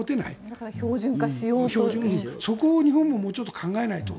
そこを日本ももうちょっと考えないと。